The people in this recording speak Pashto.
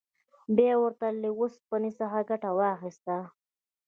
بیا وروسته یې له اوسپنې څخه ګټه واخیسته.